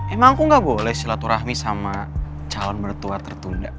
emang aku gak boleh silaturahmi sama calon mertua tertunda